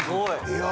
いや。